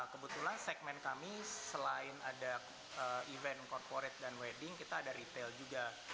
kebetulan segmen kami selain ada event corporate dan wedding kita ada retail juga